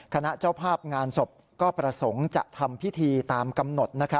คณะเจ้าภาพงานศพก็ประสงค์จะทำพิธีตามกำหนด